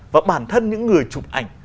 và bản thân những người chụp ảnh